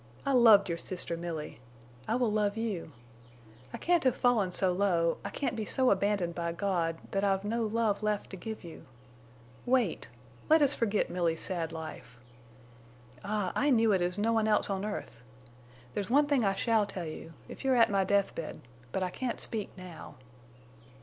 I loved your sister Milly. I will love you. I can't have fallen so low—I can't be so abandoned by God—that I've no love left to give you. Wait! Let us forget Milly's sad life. Ah, I knew it as no one else on earth! There's one thing I shall tell you—if you are at my death bed, but I can't speak now."